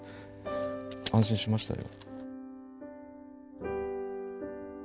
安心しましたよ。